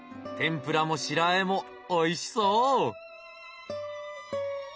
天ぷらも白和えもおいしそう！